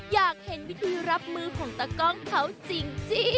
อยากเห็นวิธีรับมือของตากล้องเขาจริง